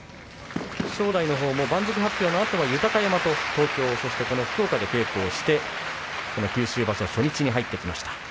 正代のほうも番付発表のあと豊山と福岡で稽古をしてこの九州場所初日に入ってきました。